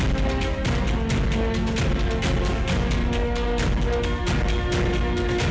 dan kalau breda tetap diberikan